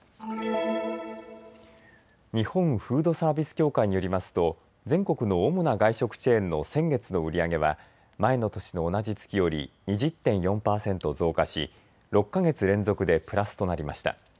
日本フードサービス協会によりますと全国の主な外食チェーンの先月の売り上げは前の年の同じ月より２０．４％増加し、６か月連続でプラスとなりました。